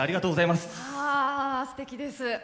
すてきです。